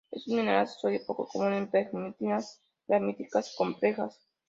Es un mineral accesorio poco común en pegmatitas graníticas complejas.